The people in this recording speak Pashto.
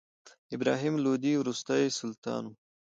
ابراهیم لودي وروستی سلطان و.